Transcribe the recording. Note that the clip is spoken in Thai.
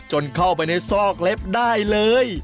เข้าไปในซอกเล็บได้เลย